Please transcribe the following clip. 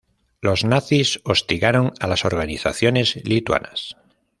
Los nazis hostigaron a las organizaciones lituanas.